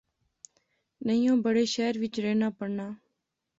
نئیں او بڑے شہرے وچ رہنا پڑھنا